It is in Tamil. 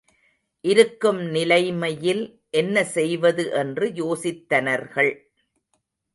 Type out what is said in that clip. இருக்கும் நிலைமையில் என்ன செய்வது என்று யோசித்தனர்கள்.